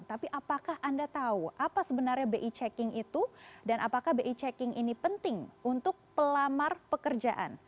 tapi apakah anda tahu apa sebenarnya bi checking itu dan apakah bi checking ini penting untuk pelamar pekerjaan